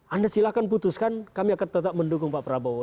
anda silahkan putuskan kami akan tetap mendukung pak prabowo